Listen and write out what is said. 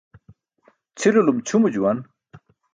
Cʰilulum ćʰumo juwan.